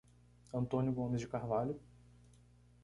Antônio Gomes de Carvalho